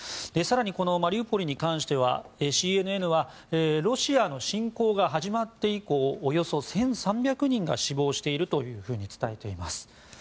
更にマリウポリに関してはＣＮＮはロシアの侵攻が始まって以降およそ１３００人が死亡していると伝えています。